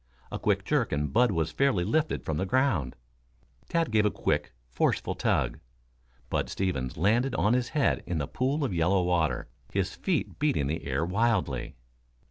A quick jerk and Bud was fairly lifted from the ground. Tad gave a quick, forceful tug. Bud Stevens landed on his head in the pool of yellow water, his feet beating the air wildly.